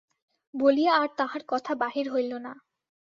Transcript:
বলিয়া আর তাঁহার কথা বাহির হইল না।